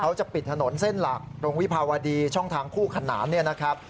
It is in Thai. เขาจะปิดถนนเส้นหลักตรงวิภาวดีช่องทางคู่ขนานเนี่ยนะครับ